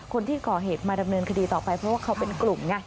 คนที่ก่อเหตุมาดำเนินคดีต่อไปเพราะว่าเขาเป็นกลุ่มไง